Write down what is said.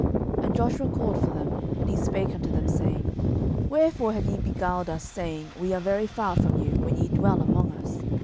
06:009:022 And Joshua called for them, and he spake unto them, saying, Wherefore have ye beguiled us, saying, We are very far from you; when ye dwell among us?